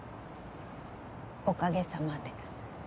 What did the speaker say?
おかげさまで。